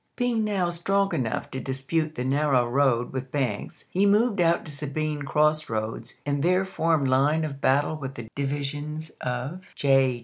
Being now strong enough to dispute the narrow road with Banks, he moved out to Sabine Cross Roads and there formed line of battle with the divisions of J.